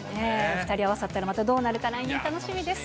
２人合わさったらまたどうなるか、来年、楽しみです。